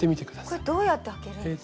これどうやって開けるんですか？